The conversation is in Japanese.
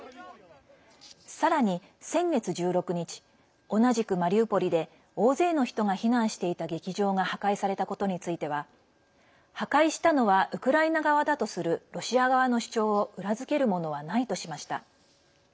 さらに、先月１６日同じくマリウポリで大勢の人が避難していた劇場が破壊されたことについては破壊したのはウクライナ側だとするロシア側の主張を裏付けるものはないとしました。